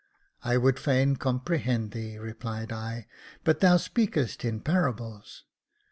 * I would fain comprehend thee,' replied I, * but thou speakest in parables.'